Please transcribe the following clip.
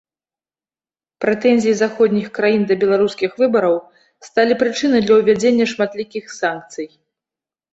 Прэтэнзіі заходніх краін да беларускіх выбараў сталі прычынай для ўвядзення шматлікіх санкцый.